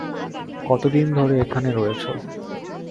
কতদিন ধরে এখানে রয়েছো?